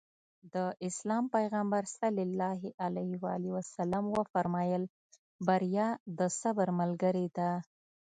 د اسلام پيغمبر ص وفرمايل بريا د صبر ملګرې ده.